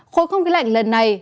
khối không khí lạnh lần này